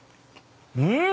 うん！